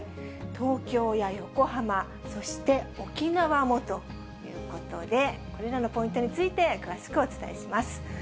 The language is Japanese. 東京や横浜、そして沖縄もということで、これらのポイントについて、詳しくお伝えします。